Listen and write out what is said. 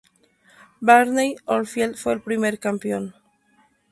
Barney Oldfield fue el primer campeón.